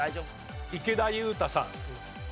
池田勇太さん。